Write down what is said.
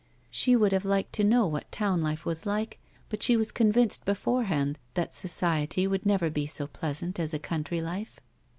She would have liked to know what town life was like but she was convinced beforehand that society would never be so pleasant as a country life.